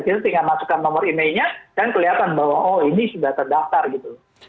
kita tinggal masukkan nomor emailnya kan kelihatan bahwa oh ini sudah terdaftar gitu